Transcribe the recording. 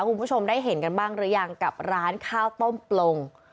คุณผู้ชมได้เห็นกันบ้างหรือยังกับร้านข้าวต้มปลง